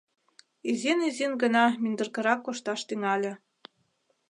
Изин-изин гына мӱндыркырак кошташ тӱҥале.